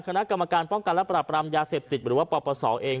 คณะกรรมการป้องกันและปรับรามยาเสพติดหรือว่าปปศเอง